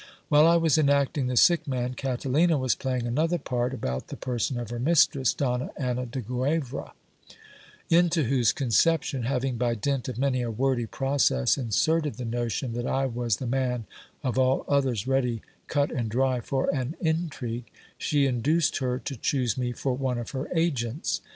While I was enacting the sick man, Catalina was playing another part about the person of her mistress, Donna Anna de Guevra, into whose concep tion having by dint of many a wordy process inserted the notion, that I was the man of all others ready cut and dry for an intrigue, she induced her to choose me for one of her agents.